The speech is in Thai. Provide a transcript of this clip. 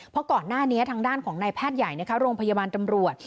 เพราะก่อนหน้านี้ทางด้านของนายแพทย์ใหญ่โรงพยาบาลตำรวจ